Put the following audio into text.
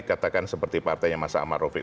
katakan seperti partainya mas amar rofiq